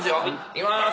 いきまーす。